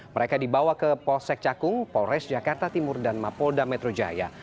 mereka dibawa ke polsek cakung polres jakarta timur dan mapolda metro jaya